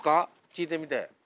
聞いてみて。